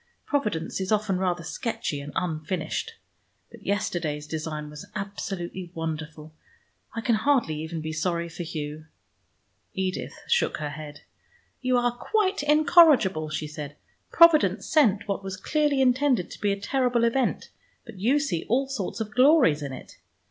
Providence is often rather sketchy and unfinished. But yesterday's design was absolutely wonderful. I can hardly even be sorry for Hugh." Edith shook her head. "You are quite incorrigible," she said. "Providence sent what was clearly intended to be a terrible event, but you see all sorts of glories in it.